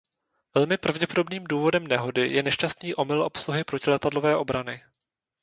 Velmi pravděpodobným důvodem nehody je nešťastný omyl obsluhy protiletadlové obrany.